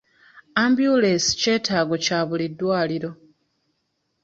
Ambyulensi kyetaago kya buli ddwaliro.